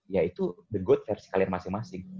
ya itu the goat versi kalian masing masing